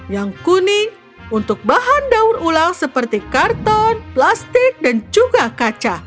yang kuning untuk bahan daur ulang seperti karton plastik dan juga kaca